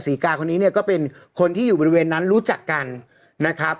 กาคนนี้เนี่ยก็เป็นคนที่อยู่บริเวณนั้นรู้จักกันนะครับ